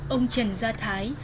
ông trần gia thái